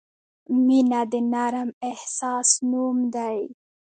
• مینه د نرم احساس نوم دی.